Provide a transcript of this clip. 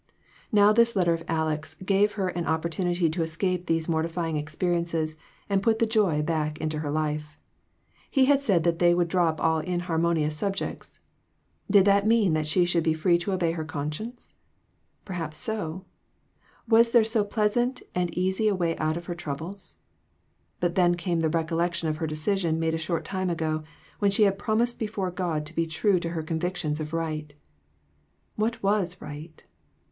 Now this letter of Aleck's gave her an opportu nity to escape these mortifying experiences and put the joy back into her life. He had said that they would drop all inharmonious subjects. Did that mean that she should be free to obey her con science ? Perhaps so. Was there so pleasant and easy a way out of her troubles ? But then came the recollection of her decision made a short time ago, when she had promised before God to be true to her convictions of right. What was right